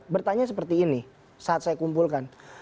bertanya seperti ini saat saya kumpulkan